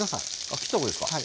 きった方がいいですか？